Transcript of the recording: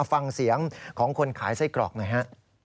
ฟังเสียงของคนขายไส้กรอกหน่อยฮะ